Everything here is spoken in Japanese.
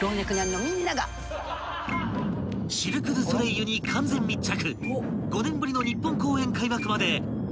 ［シルク・ドゥ・ソレイユに完全密着］